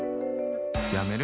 やめる？